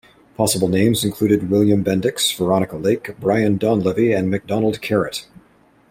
Possible names included William Bendix, Veronica Lake, Brian Donlevy, and MacDonald Caret.